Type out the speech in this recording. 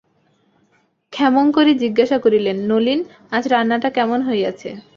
ক্ষেমংকরী জিজ্ঞাসা করিলেন, নলিন, আজ রান্নাটা কেমন হইয়াছে?